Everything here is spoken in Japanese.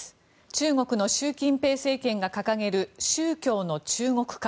中国の習近平政権が掲げる宗教の中国化。